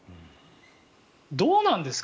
どうなんですか